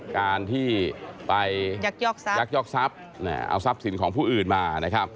การที่ไปยักยอกทรัพย์เอาทรัพย์สินของผู้อื่นมานะครับ